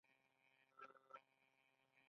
مقر لاره ولې مهمه ده؟